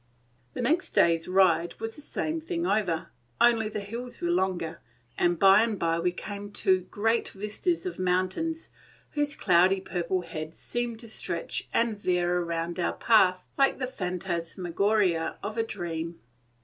The next day's ride was the same thing over, only the hills were longer; and by and by we came into great vistas of mountains, whose cloudy purple heads seemed to stretch and veer around our path like the phantasmagoria of a dream.